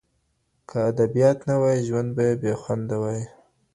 که ادبیات نه وای ژوند به بې خونده وای.